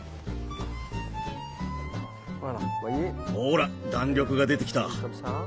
ほら弾力が出てきた。